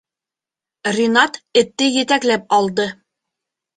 Ринат этте етәкләп алды.